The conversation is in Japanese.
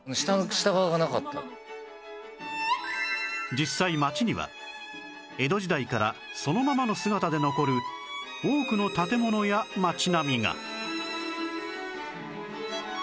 実際町には江戸時代からそのままの姿で残る多くの建物や町並みが